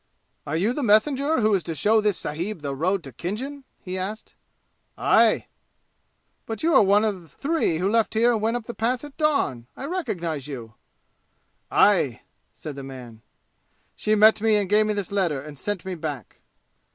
"Are you the messenger who is to show this sahib the road to Khinjan?" he asked. "Aye!" "But you are one of three who left here and went up the Pass at dawn! I recognize you." "Aye!" said the man. "She met me and gave me this letter and sent me back."